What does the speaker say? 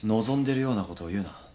望んでるようなことを言うな。